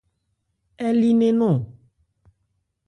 Ɛ li nnɛn nɔn ?